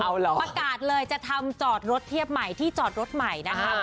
เอาเหรอประกาศเลยจะทำจอดรถเทียบใหม่ที่จอดรถใหม่นะคะ